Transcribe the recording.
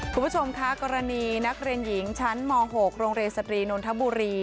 คุณผู้ชมคะกรณีนักเรียนหญิงชั้นม๖โรงเรียนสตรีนนทบุรี